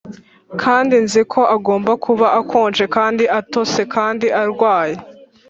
kandi nzi ko agomba kuba akonje kandi atose kandi arwaye,